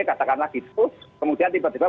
katakanlah gitu kemudian tiba tiba